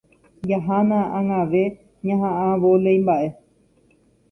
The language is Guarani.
Jahána ag̃ave ñaha'ã vólei mba'e.